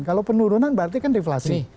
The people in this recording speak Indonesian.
kalau penurunan berarti kan deflasi